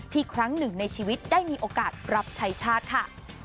ครั้งหนึ่งในชีวิตได้มีโอกาสรับใช้ชาติค่ะ